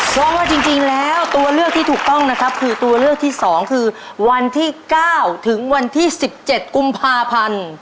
เพราะว่าจริงแล้วตัวเลือกที่ถูกต้องนะครับคือตัวเลือกที่๒คือวันที่๙ถึงวันที่๑๗กุมภาพันธ์